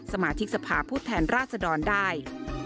สมาชิกสภาพผู้แทนราชดรได้